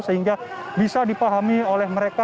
sehingga bisa dipahami oleh mereka